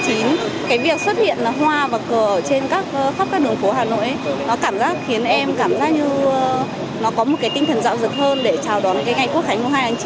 cái việc xuất hiện là hoa và cờ ở trên khắp các đường phố hà nội nó cảm giác khiến em cảm giác như nó có một cái tinh thần dạo rực hơn để chào đón cái ngày quốc khánh mùng hai tháng chín